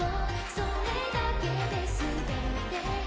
「それだけで全てが」